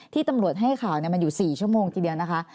ที่ตำรวจให้ข่าวมันอยู่๔ชั่วโมงทีเดียวนะคะ